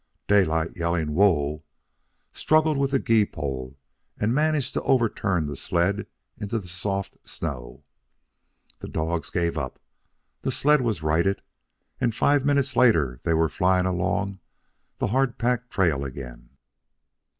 Daylight, yelling "Whoa!" struggled with the gee pole and managed to overturn the sled into the soft snow. The dogs gave up, the sled was righted, and five minutes later they were flying along the hard packed trail again.